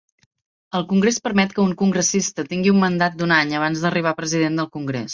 El Congrés permet que un congressista tingui un mandat d'un any abans d'arribar a President del Congrés.